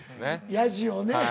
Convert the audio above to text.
ヤジをね。